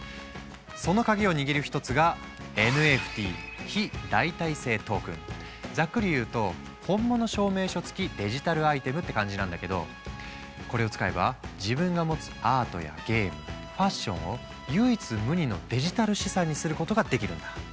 その鍵を握る一つがざっくり言うと本物証明書付きデジタルアイテムって感じなんだけどこれを使えば自分が持つアートやゲームファッションを唯一無二のデジタル資産にすることができるんだ。